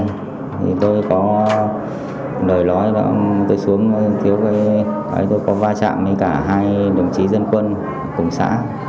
hôm nay tôi có đời lối tôi xuống thiếu cái tôi có va chạm với cả hai đồng chí dân quân cùng xã